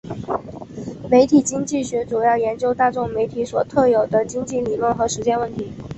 媒体经济学主要研究大众媒体所特有的经济理论和实践问题。